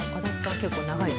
結構長いぞ。